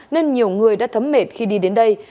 nên nhiều người đã thấm mệt khi đi đến đây